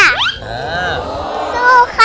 สู้ค่ะ